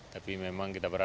tapi memang kita berharap